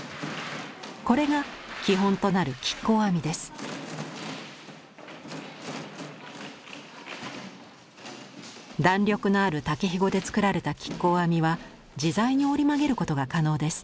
これが基本となる弾力のある竹ひごで作られた亀甲編みは自在に折り曲げることが可能です。